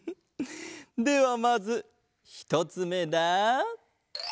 ではまずひとつめだ。